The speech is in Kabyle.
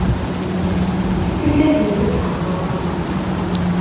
Ttnadin ad s-hedṛen.